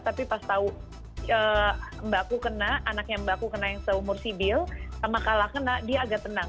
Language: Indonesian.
tapi pas tau mbakku kena anaknya mbakku kena yang seumur sibil sama kalah kena dia agak tenang